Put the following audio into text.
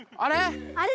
あれ？